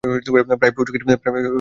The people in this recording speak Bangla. প্রায় পৌঁছে গেছি, স্যার।